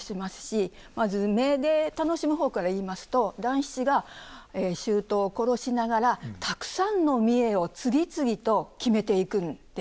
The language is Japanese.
まず目で楽しむ方から言いますと団七が舅を殺しながらたくさんの見得を次々と決めていくんですね。